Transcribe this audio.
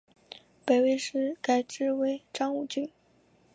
北魏时改置为章武郡。